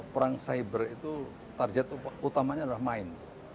perang cyber itu target utamanya adalah main